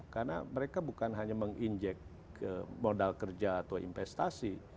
karena mereka bukan hanya menginjek modal kerja atau investasi